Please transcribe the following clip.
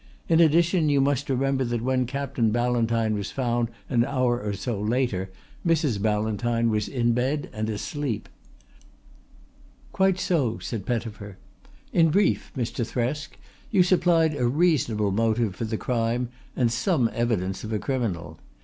"In addition you must remember that when Captain Ballantyne was found an hour or so later Mrs. Ballantyne was in bed and asleep." "Quite so," said Pettifer. "In brief, Mr. Thresk, you supplied a reasonable motive for the crime and some evidence of a criminal.